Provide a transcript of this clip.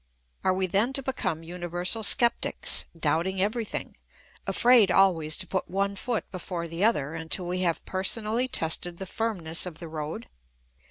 Are we then to become universal sceptics, doubting everything, afraid always to put one foot before the other until we have personally tested the firmness of the road